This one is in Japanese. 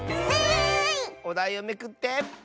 おだいをめくって！